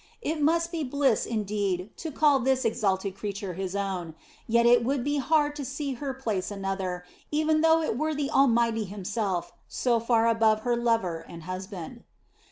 It must be bliss indeed to call this exalted creature his own, yet it would be hard to see her place another, even though it were the Almighty Himself, so far above her lover and husband.